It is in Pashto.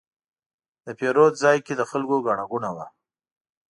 د پیرود ځای کې د خلکو ګڼه ګوڼه وه.